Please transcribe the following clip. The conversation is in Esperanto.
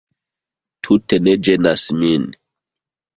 Tute ne ĝenas min